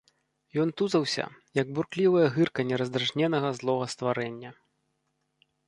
Ён тузаўся, як бурклівае гырканне раздражненага злога стварэння.